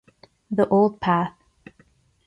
The old path.